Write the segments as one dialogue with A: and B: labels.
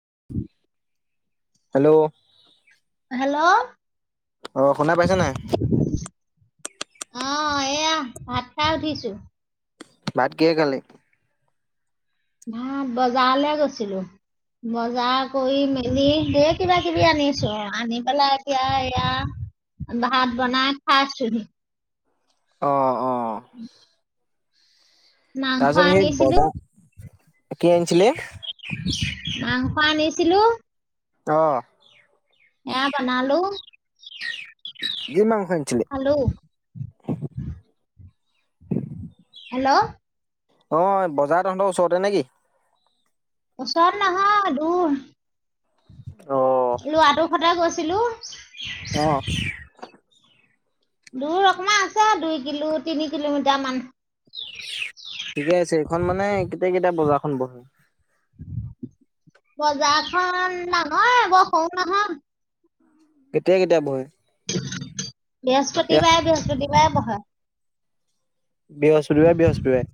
A: [inaudible]
B: Hello.
A: Hello.
B: অ', শুনা পাইছে নাই?
A: অ', এয়া ভাত খাই উঠিছো।
B: ভাত কিহে খালি?
A: ভাত বজাৰলে গৈছিলোঁ, বজাৰ কৰি মেলি ঢেৰ কিবা কিবি আনিছো আনি পেলাই এতিয়া এয়া ভাত বনাই খাইছোহি।
B: অ অ
A: [inaudible] মাংস
B: তাৰপিছত সেই
A: আনিছিলো
B: বদা, কি আনিছিলি?
A: স আনিছিলো।
B: অ'।
A: এয়া বনালো।
B: কি মাংস আনিছিলি?
A: খালো। হেল্ল'।
B: অ', বজাৰ তহঁতৰ ওচৰতে নেকি?
A: ওচৰত নহয় দূৰ।
B: অ
A: লৰাটো সতে গৈছিলো [unintelligible]
B: অ'
A: দূৰ অকণমান আছে দুই কিলো তিনি কিলোমিটাৰ মান
B: ঠিকে আছে এইখন মানে কেতিয়া কেতিয়া বজাৰখন বহে
A: বজাৰখন ডাঙৰে বৰ সৰু নহয়
B: কেতিয়া কেতিয়া বহে এয়া
A: বৃহস্পতিবাৰে বৃহস্পতিবাৰে বহে
B: বৃহস্পতিবাৰে বৃহস্পতিবাৰে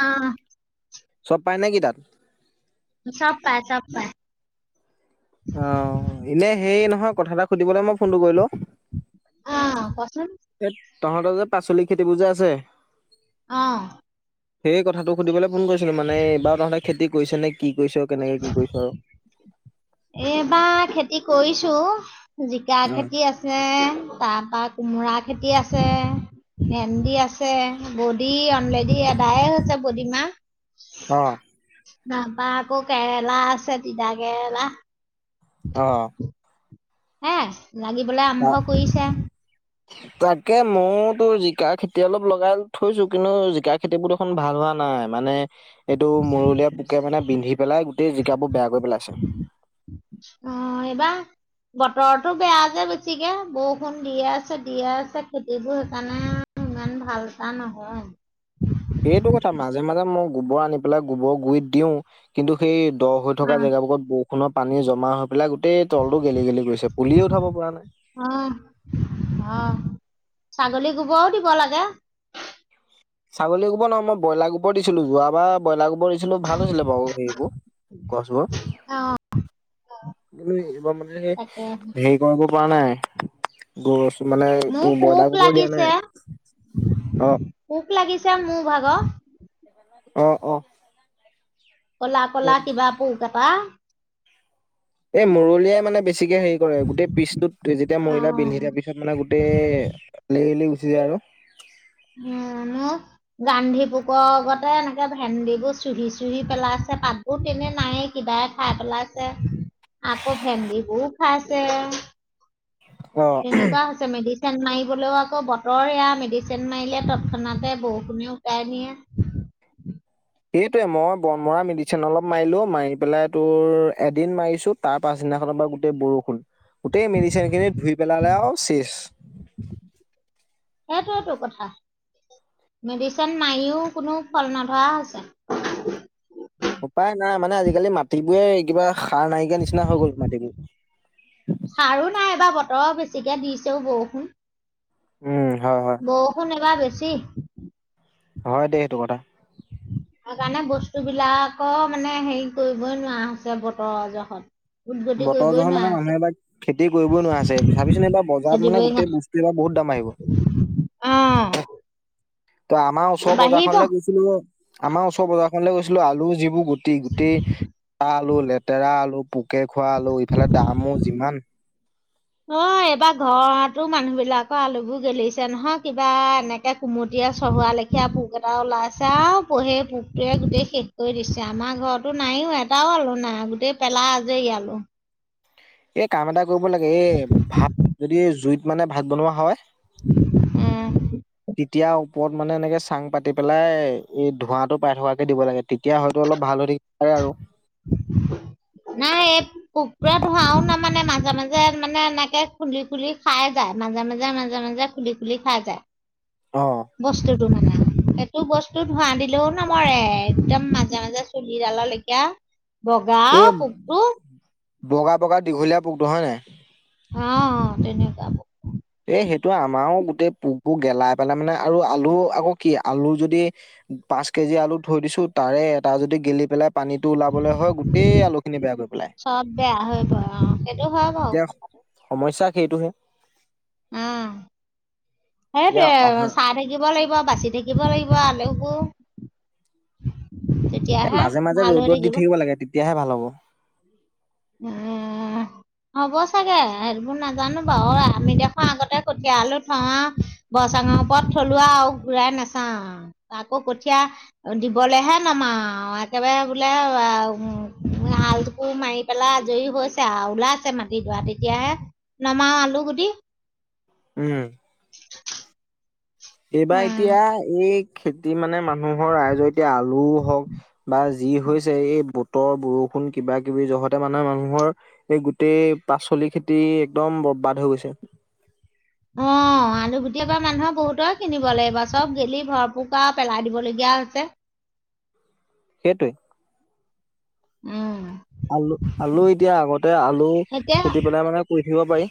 A: অ'
B: চব পাই নে কি তাত
A: চব পায় চব পায়
B: অ' এনে সেই নহয় কথা এটা সুধিবলে মই ফোনটো কৰিল
A: অ', কচোন।
B: তহঁতৰ যে পাচলি খেতি বোৰ যে আছে
A: অ'
B: সেই কথাটো সুধিবলে ফোন কৰিছিলো মানে এইবাৰ তহঁতে খেতি কৰিছে নে কি কৰিছ? কেনেকে কি কৰিছ আৰু
A: এবা খেতি কৰিছো, জিকা
B: আৰু?
A: খেতি আছে তাৰপাত কোমোৰা খেতি আছে ভেন্দি আছে বডি অনলেডি এদায় হৈছে বডিমাহ
B: অ'
A: নাপা আকৌ কেৰেলা আছে দিতা কেৰেলা
B: অ'
A: হা লাগিবলে
B: অ
A: আৰম্ভ কৰিছে।
B: তাকে ময়তো জিকা খেতি অলপ লগাই থৈছো কিন্তু জিকা খেতিবোৰ দেখোন ভাল হোৱা নাই মানে এইটো মুৰলিয়া পোকে মানে বিন্ধি, পেলাই গোতেই জিকাবোৰ বেয়া গ
A: অ' এইবাৰ বতৰটো বেয়া যে বেছিকে বৰষুণ দিয়ে আছে দিয়ে আছে খেতিবোৰ সেইকাৰণে ইমান ভাল এটা নহয়।
B: সেইটো কথা মাজে মাজে মই গোবৰ আনি পেলাই গোবৰ গুৰিত দিও কিন্তু সেই দ হৈ থকা জেগাবোৰত বহ কুণৰ পানী জমা এইবিলাক গোটেই তলটো গেলি গেলি গৈছে পুলি উঠাব পৰা নাই
A: অ'। অ', অ'। ছাগলী গোবৰও দিব লাগে
B: ছাগলী গোবৰ ন মই বইলাৰ গোবৰ দিছিলো যোৱা বাৰ ব্ৰইলাৰ গোবৰ ব দিছিলো ভাল হৈছিলে বাৰু হেবোৰ গছবোৰ
A: অ
B: কি এইবাৰ মানে
A: তাকে
B: সেই হেৰি কৰা পোৱা নাই গছ মানে
A: মোৰ
B: তোৰ
A: পোক
B: ব্ৰইলাৰ গোবৰ দিয়া
A: লাগিছে
B: নাই অ'
A: মো ভাগ
B: অ' অ'
A: কলা
B: এ
A: কলা কিবা পোহ ক পা
B: এই মূুৰলিয়াই মানে বেছি বেছিকে হেৰি কৰে গোটেই পিচতটোত যেতিয়া
A: অ
B: মহৰিলা বিন্ধি দিয়া পিছত মানে গোটেই লেৰেলি যি আৰু
A: উানো গান্ধী পোক আগতে এনেকে ভেন্দিবোৰ চুহি চুহি পেলাইছে পাতবোৰ তেনে নায়েই কিবাই খাই পেলাইছে আকৌ ভেন্দিবোৰও খাইছে
B: অ
A: তেনেকুৱা হৈছে মেডিচিন মাই হলেও আকৌ বতৰ সেয়া মেডিচিন চেন মাৰিলে তৎক্ষণাতে বহু কুনে উ উপাই নিয়ে
B: সেইটোৱে মই বন মৰা মেডিচিন অলপ মাৰিলো মাৰি পেলাই তোৰ এদিন মাৰিছো তাৰ পাছদিনাখননৰ পৰা গোটেই বৰষুণ গোটেই মেডিচিন খিনি ধুই পেলালে আৰু চেষ
A: সেইটোয়ো কথা মেডিচিন মাৰিও কোনো ফল নধৰা হৈছে
B: উপায় নাই মানে আজিকালি মাটিবোৰে কিবা সাৰ নাইকিয়া নিচিনা হৈ গ'ল মাটতিম
A: সাৰো নাই এবাৰ বত ত বেছিকে দিছেও বৰষুণ।
B: উম হয় হয়
A: বৰষুণ এইবাৰ বেছি কি
B: নহয় দে সেইটো কথা
A: সেই কাৰণে বস্তুবিলাকৰ মানে হেৰি কৰিবই নোৱাৰা হৈছে, বতৰ জহত উদগতি
B: বতৰ
A: কৰিবই
B: জহৰ
A: নোৱাৰা
B: মানে মানুহে
A: হৈছে
B: এবাৰ খেতি কৰিবই নোৱাৰা হৈছে চাবিছোন এইবাৰ বজাৰত মানে
A: খেদিবই
B: গোটেই
A: নোৱাৰা
B: বস্তু এবাৰ বহুত দাম বাঢ়িব।
A: অ
B: তহ আমাৰ ওচৰ বজাৰ
A: বাঢ়িব
B: খনলে গৈছিলোঁ। আমাৰ ওচৰ বজাৰ এইফালে গৈছিলো, আলু যিবোৰ গোট টি গুটি, গুটেই আলু লেতেৰা আলু পুকে খোৱা আলু, ইফালে দামো যিমান।
A: অ এইবাৰ ঘৰতো মানুহ বিলাকৰ আলুবোৰ গেলিছে নহয় কিবা এনেকে কুমটীয়া চহোৱা লেখীয়া পোক এটা ওলাইছে আৰু সেই পোকটোৱে গোটেই শেষ কৰি দিছে। আমাৰ ঘৰতো নাইও এটাও আলু নাই গোটেই পেলা আজৰি আলু
B: এ, কাম এটা কৰিব লাগে। এ, ভাত যদি জুইত মানে, ভাত বনোৱা হয়। তেতিয়া
A: উম।
B: ওপৰত মানে, এনেকে চাং পাতি পেলাই, এই ধোঁৱাটো পাই থকাকে দিব লাগে। তেতিয়া হয়তো, অলপ ভাল হৈ থাকি [unintelligible] পাৰে আৰু।
A: নাই, এই, কুকুৰা [unintelligible] আও নামানে। মাজে-মাজে মানে, এনেকে খুলি-খুলি খাই যায়, মাজে-মাজে মাজে-মাজে, খুলি-খুলি খাই যায়।
B: অ
A: বস্তুটো মানে, অ'! এইটো বস্তু ধোঁৱা দিলেও নমৰে, একদম মাজে- মাজে চুলিডাললেখীয়া। বগা পোকটো।
B: বগা-বগা দীঘলীয়া পোকটো, হয় নাই?
A: অ'! তেনেকুৱা।
B: তোৰ গেলাই পেলাই মানে, আৰু আলু, আকৌ কি, আলু যদি, পাঁচ কেজি আলু থৈ দিছোঁ, তাৰে এটা যদি গেলি পেলাই, পানীটো ওলাবলে হয়, গোটেই আলুখিনি বেয়া কৰি পেলাই।
A: চব বেয়া হৈ পৰে অ সেইটো হয় বাৰু
B: এতিয়া, সমস্যা সেইটোহে।
A: অ'!
B: এতিয়া
A: সেইটোৱে,
B: অহা
A: চাই থাকিব লাগিব। বাচি থাকিব লাগিব আলোবো। [inaudible]
B: এ মাজে মাজে ৰ'দত দি থাকিব লাগে তেতিয়াহে ভাল হ'ব।
A: এ হব চাগে সেইবোৰ নাজানো বাৰু আমি দেখো আগতে কঠীয়া আলো থোৱা বৰ চাঙৰ ওপৰত থলুৱা আৰু ঘূৰাই নাচাও আকৌ কঠীয়া দিবলেহে নমাও একেবাৰে বোলে হ আলো মাৰি [unintelligible] পেলাই আজৰি হৈছে আৰু ওলাইছে মাটিডৰা তেতিয়াহে নমাও আলু গুটি।
B: উম। এইবাৰ
A: উম,
B: এতিয়া এই। খেতি মানে মানুহৰ ৰাইজৰ এতিয়া আলুও হওক বা যি হৈছে, এই বতৰ বৰষুণ কিবা কিবি জহতে মানে মানুহৰ এই গোটেই পাচলি খেতি একদম বৰবাদ হৈ গৈছে।
A: অ আলু গুটি পৰা মানুহৰ বহুতৰ কিনিব লাগিব, চব গেলি ভৰপকাৰ পেলাই দিবলগীয়া হৈছে।
B: সেইটোৱে।
A: উম।
B: আলু, আলু এতিয়া আগতে আলু
A: এতিয়া
B: খেতি পেলাই মানে কৰি শিকিব পাৰি।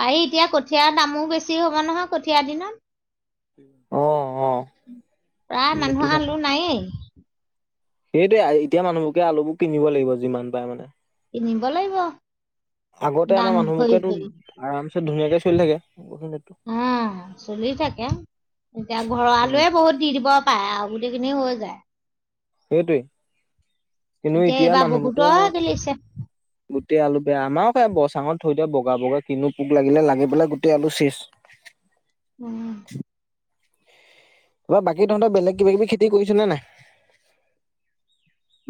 A: পাৰি এতিয়া কঠীয়াৰ দামো বেছ ছি হ'ব নহয় কঠীয়া দিনত।
B: অ', অ'।
A: প্ৰায়
B: নেটটো
A: মানুহৰ
B: চাই
A: আলু নায়েই।
B: সেইটোৱে এতিয়া মানুহবোৰকে আলুবোৰ কিনিব লাগিব যিমান পাই মানে।
A: কিনিব লাগিব,
B: আগতে আমাৰ
A: দাম ভৰি
B: মানুহবোৰকেতো
A: ভৰি
B: আৰামছে ধুনীয়াকে চলি থাকে উম
A: অহ, চলি থাকে এতিয়া ঘৰৰ আলু এ বহুত দি দিব পাৰে আৰু গোটেইখিনি হৈ যায়।
B: সেইটোৱেই।
A: এতিয়া এইবাৰ বহুতৰ বেলিছে।
B: গোটেই আলু বেয়া আমাৰ সেই বচাঙত থৈ দিয়ে, বগা, বগা কিনো পোক লাগিলে, লাগি পেলাই গোটেই আলু চেচ।
A: উম।
B: বা বাকী তহঁতৰ বেলেগ কিবা কিবি খেতি কৰিছ' নে নাই?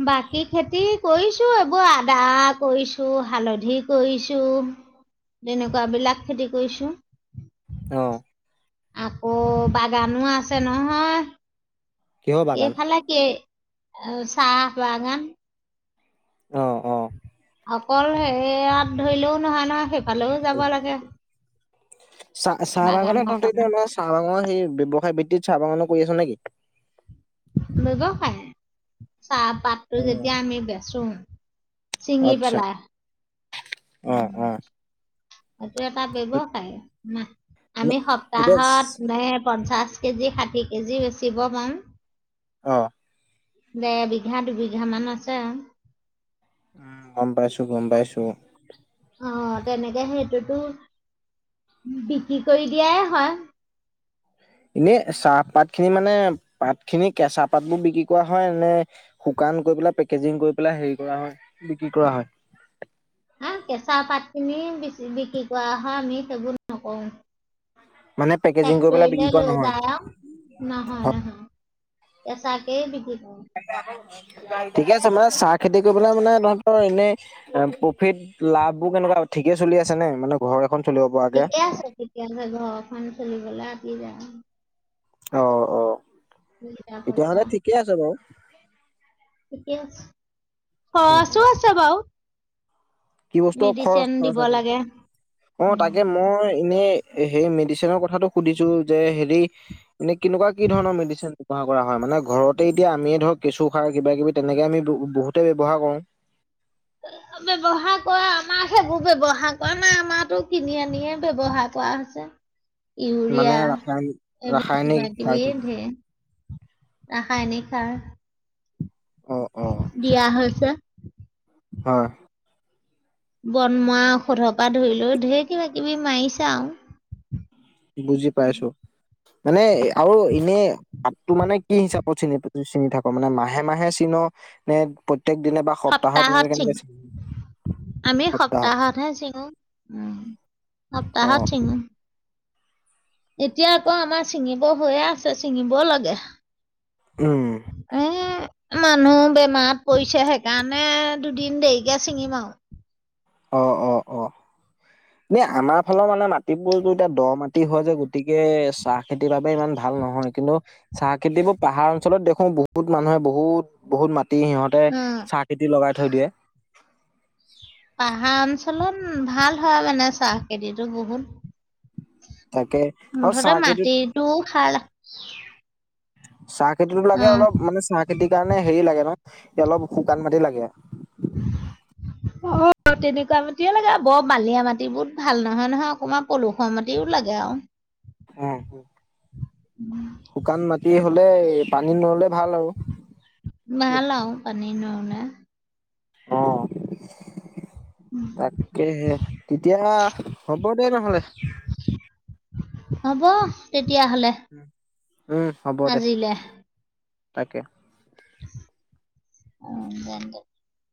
A: বাকী খেতি কৰিছোঁ, এইবোৰ আদা কৰিছোঁ, হালধি কৰিছোঁ, তেনেকুৱাবিলাক খেতি কৰিছোঁ।
B: অ'।
A: আকৌ বাগানো আছে নহয়।
B: কিহৰ বাগান
A: এইফালে কে এহ চ চাহ বাগান।
B: অহ' অহ'
A: অকল সেয়াত ধৰিলেও নহয়, নহয় সেই-
B: চাহ চাহ বাগানত
A: বাগানৰ
B: তহঁতি
A: কাৰণে
B: এতিয়া আমাৰ চাহ বাগান সেই ব্যৱসায় ভিত্তিত চাহ বাগানৰ- কৰি আছ নেকি?
A: ব্যবসায়। [unintelligible] চাহপাতটো
B: উম,
A: যেতিয়া আমি বেছো। চিঙি
B: আচ্ছা
A: পেলাই।
B: অ',
A: উম।
B: অ',
A: এইটো এটা ব্যৱসায় আমি
B: ন- এতিয়া
A: সপ্তাহত
B: চ-
A: [unintelligible] পঞ্চাশ কেজি, ষাঠি কেজি বেচিব পাম।
B: অ'
A: দেৰ বিঘা, দুবিঘা মান আছে।
B: উম, গ'ম পাইছো, গ'ম পাইছো।
A: অ' তেনেকে সেইটোতো বিক্ৰী কৰি দিয়াই হয়।
B: এনে চাহপাত খিনি মানে পাত খিনি কেঁচা পাতবোৰ বিক্ৰী কৰা হয় নে শুকান কৰি পেলাই পেকেজিং কৰি পেলাই হেৰি কৰা হয় বিক্ৰী কৰা হয়?
A: হ কেঁচা পাতখিনি বিক্ৰী কৰা হয় আমি সেইবোৰ নকৰো।
B: মানে পেকেজিং কৰি পেলাই বিক্ৰী
A: ফেক্টৰীলে
B: কৰা
A: লৈ
B: নহয়
A: যায় নহয়,
B: অ,
A: নহয়। কেঁচাকে বিক্ৰী কৰোঁ।
B: ঠিকে আছে মানে চাহ খেতি কৰিবলে মানে তহতৰ এনেই প্ৰফিট লাভ কেনেকুৱা ঠিকে চলি আছে নে মানে ঘৰৰ।
A: থিকে আছে তেতিয়ালে ঘৰখন চলিবলে আতি যায় অঁ
B: অঁ অঁ
A: বুজা
B: তেতিয়াহ'লে ঠিকে আছে বাৰু।
A: [unintelligible] অ
B: উম,
A: অছো
B: উম,
A: আছে বাওঁ
B: কি বস্তু খৰচ
A: দিব
B: খৰচ
A: লাগে
B: আ অ
A: উম।
B: তাকে মই এনেই। সেই মেডিচিনৰ কথাটো সুধিছো যে হেৰি মানে কেনেকুৱা কি ধৰণৰ মেডিচিন ব্যৱহাৰ কৰা হয় মানে ঘৰতে এতিয়া আমিয়ে ধৰক কেঁচু সাৰ কিবা কিবি তেনেকে আমি বহুতে ব্যৱহাৰ কৰো।
A: ব্যবহাৰ কৰা আমাৰ সেইবোৰ ব্যৱহাৰ কৰা নাই আমাৰটো কিনি আনিয়ে ব্যবহাৰ কৰা হৈছে।
B: মানে
A: ইউৰিয়া
B: ৰাসায়নিক
A: এইবোৰ
B: ৰাসায়নিক
A: কিবা
B: সাৰ
A: কিবি
B: খিনি
A: ধেই ৰাসায়নিক সাৰ
B: অ অ
A: দিয়া হৈছে।
B: হয়
A: বনমোৱা ঔষধৰ পৰা ধৰি লৈ ঢেৰ কিবা কিবি মাৰিছে আও
B: বুজি পাইছো। মানে আৰু এনে পাতটো মানে কি হিচাপত চিনি চিঙি থাকো মানে মাহে মাহে চিন নে। দিনে বা
A: সপ্তাহত
B: এনেকে
A: চিঙ
B: কেনেকে চিনি
A: আমি
B: সপ্তাহত
A: সপ্তাহতহে চিঙো
B: অ
A: সপ্তাহত চিঙো। এতিয়া আকৌ আমাৰ ছিঙিব হৈয়ে আছে ছিঙিবও লাগে।
B: উম
A: এ মানুহ বেমাৰত পৰিছে সেইকাৰণে দুদিন দেৰিকে ছিঙিম আও
B: অ অ অ দিয়া আমাৰ ফালৰ মানে মাটিবোৰতো এতিয়া দ মাটি হয় যে গতিকে চাহ খেতিৰ বাবে ইমান ভাল নহয়‌ কিন্তু চাহ খেতিবোৰ পাহাৰ অঞ্চলত দেখো বহুত মানুহে বহুত বহুত মাটি কাটি সিহঁতে
A: উম,
B: চাহ খেতি লগাই থৈ দিয়ে।
A: উম ভাল হয় মানে চাহ খেতিটো বহুত
B: তাকে আৰু
A: মুঠতে
B: চাহ খেতিত
A: মাটিটো খাল
B: চাহ খেতিতো লাগে অলপ মানে চাহ খেতিৰ কাৰণে হেৰি লাগে নহ অলপ শুকান মাটি লাগে। এ
A: অ তেনেকুৱা মাটি লাগে আৰু বৰ মালিয়া মাটিবোৰ ভাল নহয় নহয় অকণমান পলসুৱা মাটিও লাগে আৰু
B: উম শুকান মাটিএ হলে এ পানী নহ'লে ভাল আৰু
A: [unintelligible]
B: আহ। তাকেহে তেতিয়া হ'ব দে নহলে
A: হ'ব তে তেতিয়াহ'লে
B: উম হ'ব দে।
A: আজিলে।
B: তাকে
A: [unintelligible]